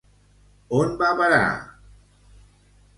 On va a parar?